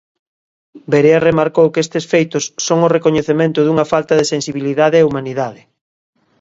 Verea remarcou que estes feitos "son o recoñecemento dunha falta de sensibilidade e humanidade".